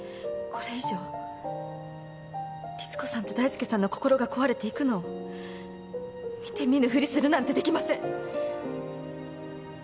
これ以上リツコさんと大介さんの心が壊れていくのを見て見ぬふりするなんてできません。